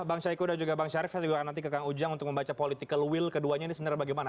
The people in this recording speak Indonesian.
bang syarif dan bang syarif juga nanti ke kang ujang untuk membaca political will keduanya ini sebenarnya bagaimana